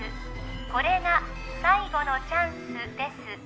これが最後のチャンスです